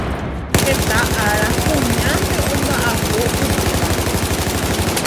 Heta ára kuñánte omba’apo upévape.